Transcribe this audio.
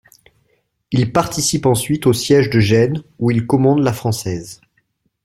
Il participe ensuite au siège de Gênes, où il commande la française.